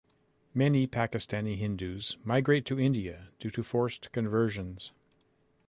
Many Pakistani Hindus migrate to India due to forced conversions.